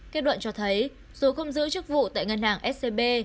kết luận cho thấy dù không giữ chức vụ tại ngân hàng scb